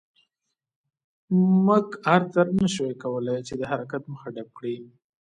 مک ارتر نه شوای کولای چې د حرکت مخه ډپ کړي.